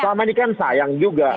selama ini kan sayang juga